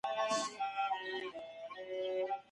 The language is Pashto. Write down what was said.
ساده کلمې د خلکو په پوهولو کي اغېزناکي دي.